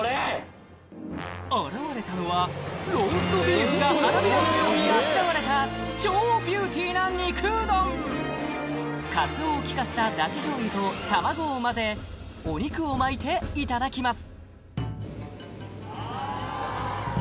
現れたのはローストビーフが花びらのようにあしらわれた超ビューティーな肉うどんかつおを利かせたダシ醤油と卵を混ぜお肉を巻いていただきます